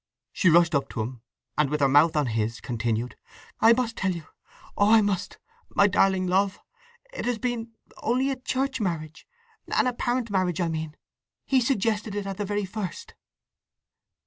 She rushed up to him and, with her mouth on his, continued: "I must tell you—oh I must—my darling Love! It has been—only a church marriage—an apparent marriage I mean! He suggested it at the very first!"